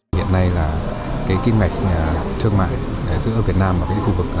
hiện nay là kinh mạch trương mại giữa việt nam và khu vực